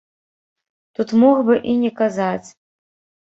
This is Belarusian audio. Тут мог бы і не казаць.